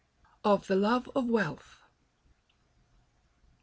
OF THE LOVE OF WEALTH. 1.